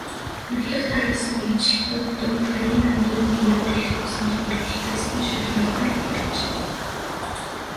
Урилга тараасан ажилтнууд хаяг андууран, буруу урилга өгсөн тохиолдол байсан нь шалгалтаар илэрчээ.